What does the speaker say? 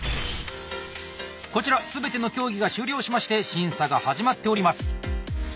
こちら全ての競技が終了しまして審査が始まっております。